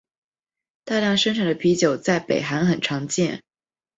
大量生产的啤酒在北韩很常见。